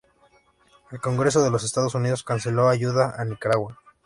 El congreso de los Estados Unidos canceló ayuda a Nicaragua.